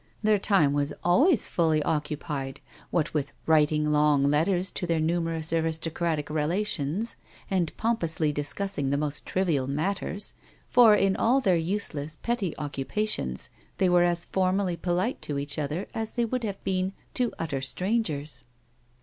Their time was always fully occupied, what with writing long letters to their numerous aristocratic rela tions and pompously discussing the most trivial matters, for in all their useless, petty occupations, they were as foimally polite to each other as they would have been to utter strangers.